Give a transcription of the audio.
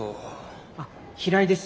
あっ平井です。